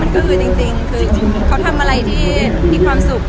คือเค้าทำอะไรที่มีความสุข